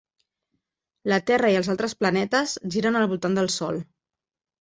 La Terra i els altres planetes giren al voltant del Sol.